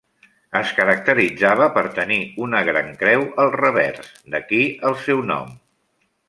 Es caracteritzava per tenir una gran creu al revers, d'aquí el seu nom.